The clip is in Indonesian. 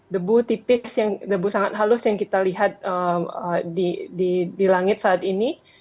debu tipis debu sangat halus yang kita lihat di langit saat ini